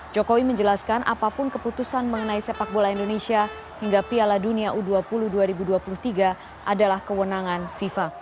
jokowi menjelaskan apapun keputusan mengenai sepak bola indonesia hingga piala dunia u dua puluh dua ribu dua puluh tiga adalah kewenangan fifa